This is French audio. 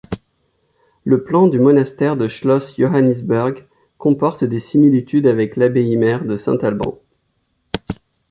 Le plan du monastère de Schloss Johannisberg comporte des similitudes avec l'abbaye-mère de Saint-Alban.